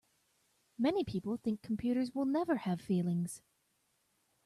Many people think computers will never have feelings.